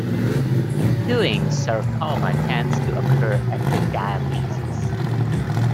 Ewing's sarcoma tends to occur at the diaphysis.